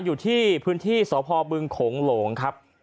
อยู่ที่พื้นที่สพบึงโขงหลงครับ